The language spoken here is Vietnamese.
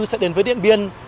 sẽ đến với điện biên